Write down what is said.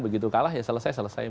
begitu kalah ya selesai selesai